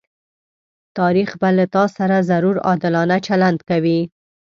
تاريخ به له تاسره ضرور عادلانه چلند کوي.